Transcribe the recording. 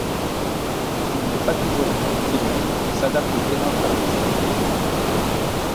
Il n'est pas toujours rectiligne et s'adapte au terrain traversé.